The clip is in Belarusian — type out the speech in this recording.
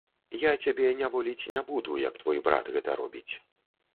Я цябе няволіць не буду, як твой брат гэта робіць.